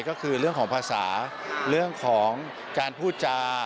ก็คือเรื่องของภาษาเรื่องของการพูดจา